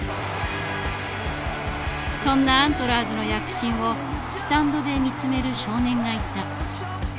そんなアントラーズの躍進をスタンドで見つめる少年がいた。